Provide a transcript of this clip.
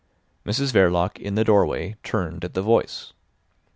Mrs Verloc in the doorway turned at the voice.